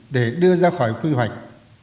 để đưa ra khỏi quy hoạch